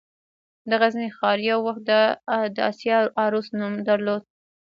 د غزني ښار یو وخت د «د اسیا عروس» نوم درلود